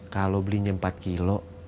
kalau belinya empat kilo